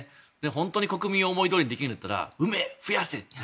本当に国民を思いどおりにできるんだったら産め、増やせ。